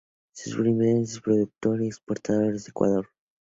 Su principal productor y exportador es Ecuador.